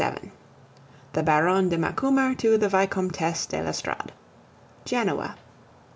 XXXVII. THE BARONNE DE MACUMER TO THE VICOMTESSE DE L'ESTORADE Genoa.